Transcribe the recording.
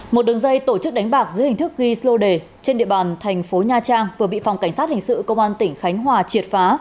một đường dây tổ chức đánh bạc dưới hình thức ghi số đề trên địa bàn thành phố nha trang vừa bị phòng cảnh sát hình sự công an tỉnh khánh hòa triệt phá